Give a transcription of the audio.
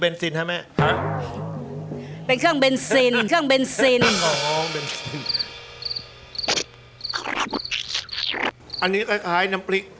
เบนซินฮะแม่เป็นเครื่องเบนซินเครื่องเบนซินอันนี้คล้ายคล้ายน้ำปริก